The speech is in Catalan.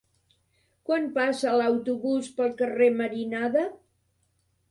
Quan passa l'autobús pel carrer Marinada?